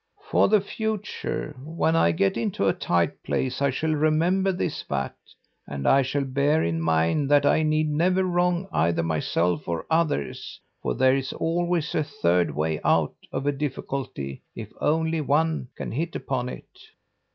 "'For the future, when I get into a tight place, I shall remember this vat, and I shall bear in mind that I need never wrong either myself or others, for there is always a third way out of a difficulty if only one can hit upon it.'"